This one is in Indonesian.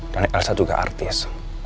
dan elsa juga artis